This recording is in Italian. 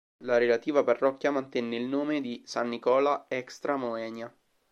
La relativa parrocchia mantenne il nome di San Nicola "extra moenia".